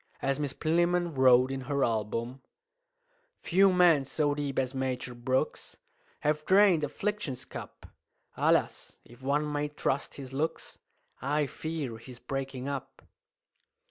As Miss Plinlimmon wrote in her album "Few men so deep as Major Brooks Have drained affliction's cup. Alas! if one may trust his looks, I fear he's breaking up!"